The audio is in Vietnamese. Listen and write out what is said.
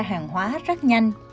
hàng hóa rất nhanh